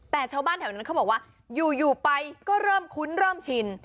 แต่ชาวบ้านแถวนั้นเขาบอกว่าอยู่ไปก็เริ่มคุ้นเริ่มชิน